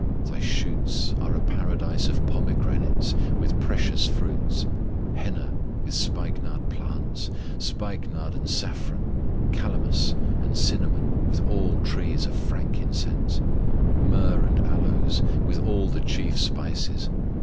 Thy shoots are a paradise of pomegranates, with precious fruits; Henna with spikenard plants, Spikenard and saffron, Calamus and cinnamon, with all trees of frankincense; Myrrh and aloes, with all the chief spices.